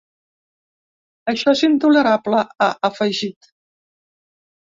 Això és intolerable, ha afegit.